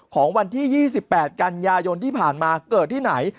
ของวันที่๒๘กันยายนที่ผ่านมาเกิดที่ไหน